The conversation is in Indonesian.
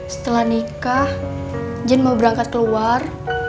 setelah nikah jen mau berangkat keluar